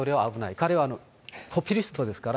彼はポピュリストですから、